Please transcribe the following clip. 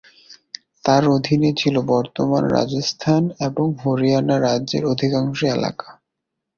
তার অধীনে ছিলো বর্তমান রাজস্থান এবং হরিয়ানা রাজ্যের অধিকাংশ এলাকা।